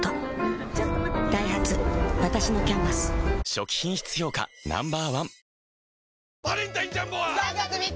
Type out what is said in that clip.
初期品質評価Ｎｏ．１